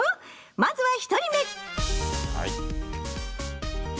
まずは１人目！